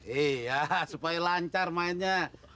iya supaya lancar mainnya